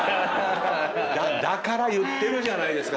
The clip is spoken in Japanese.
だから言ってるじゃないですか！